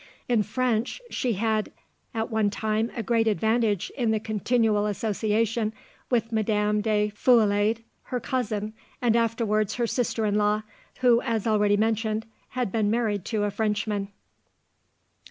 In French she had at one time a great advantage in the continual association with Madame de Feuillade, her cousin, and afterwards her sister in law, who, as already mentioned, had been married to a Frenchman.